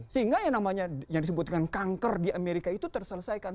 sehingga yang disebutkan kanker di amerika itu terselesaikan